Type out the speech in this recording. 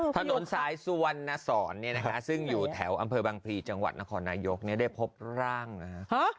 ถนนสายสุวรรณสอนซึ่งอยู่แถวอำเภอบังพลีจังหวัดนครนายกได้พบร่างนะฮะ